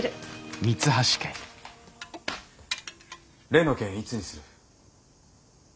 例の件いつにする？